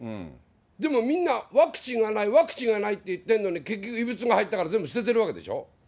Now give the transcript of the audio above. でもみんな、ワクチンがない、ワクチンがないって言ってんのに、結局、異物が入ったから全部捨ててるわけでしょ。